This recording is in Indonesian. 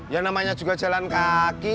ya namanya juga jalan kaki